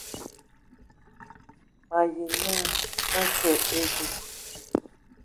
Mayi nə ma kə a edug.